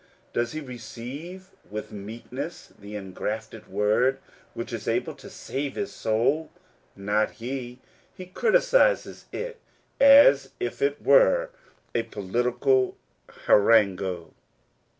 Does he receive with meek ness the engrafted word which is able to save his soul? Not he! He criticises it as if it were a 1 8 According to the Promise, political harangue.